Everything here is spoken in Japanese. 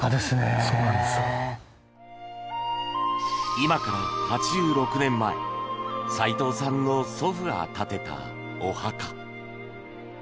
今から８６年前齋藤さんの祖父が建てたお墓。